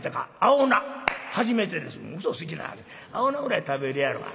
青菜ぐらい食べるやろうが。